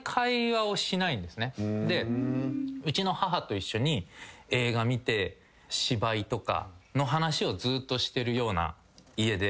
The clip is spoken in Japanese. うちの母と一緒に映画見て芝居とかの話をずーっとしてるような家で。